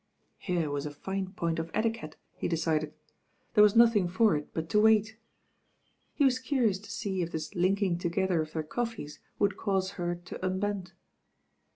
Here was a fine point of etiquette, he decided. There was nothing for it but to wait. He was curious to see if this linking together of their coffees would cause her to unbend.